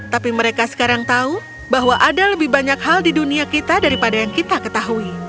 tapi mereka sekarang tahu bahwa ada lebih banyak hal di dunia kita daripada yang kita ketahui